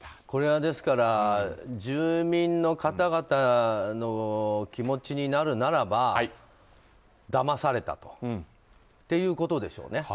これは住民の方々の気持ちになるならばだまされたということでしょうね。